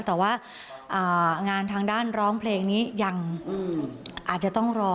แต่ว่างานทางด้านร้องเพลงนี้ยังอาจจะต้องรอ